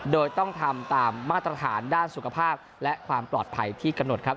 โดยต้องทำตามมาตรฐานด้านสุขภาพและความปลอดภัยที่กำหนดครับ